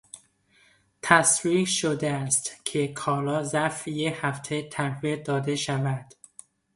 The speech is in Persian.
تصریح شده است که کالا ظرف یک هفته تحویل داده شود.